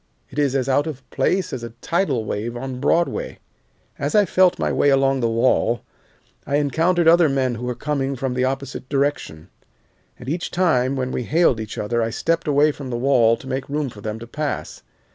It is as out of place as a tidal wave on Broadway. "As I felt my way along the wall, I encountered other men who were coming from the opposite direction, and each time when we hailed each other I stepped away from the wall to make room for them to pass.